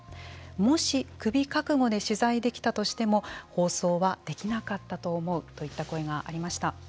もし首覚悟で取材できたとしても放送はできなかったと思うといった声がありました。